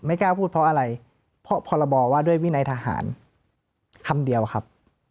กล้าพูดเพราะอะไรเพราะพรบว่าด้วยวินัยทหารคำเดียวครับ